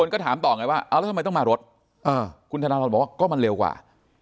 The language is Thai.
ก็ถามต่อไงว่าเอาแล้วทำไมต้องมารถคุณธนทรบอกว่าก็มันเร็วกว่า